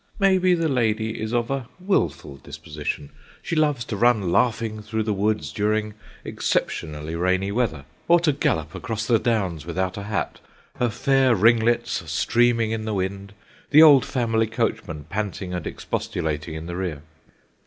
Maybe the lady is of a wilful disposition. She loves to run laughing through the woods during exceptionally rainy weather; or to gallop across the downs without a hat, her fair ringlets streaming in the wind, the old family coachman panting and expostulating in the rear.